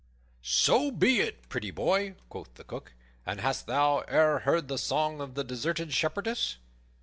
"So be it, pretty boy," quoth the Cook. "And hast thou e'er heard the song of the Deserted Shepherdess?"